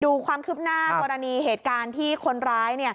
ดูความคืบหน้ากรณีเหตุการณ์ที่คนร้าย